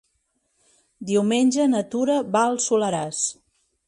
Diumenge na Tura va al Soleràs.